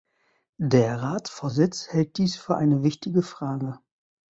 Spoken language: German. Der Ratsvorsitz hält dies für eine wichtige Frage.